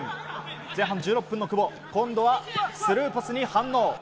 前半１６分の久保今度はスルーパスに反応。